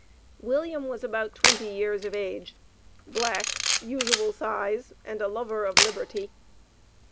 William was about twenty years of age, black, usual size, and a lover of liberty.